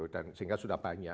dan sehingga sudah banyak